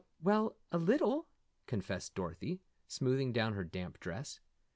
"Well, a little," confessed Dorothy, smoothing down her damp dress.